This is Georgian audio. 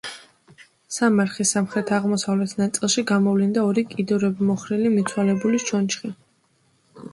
სამარხის სამხრეთ-აღმოსავლეთ ნაწილში გამოვლინდა ორი, კიდურებმოხრილი მიცვალებულის ჩონჩხი.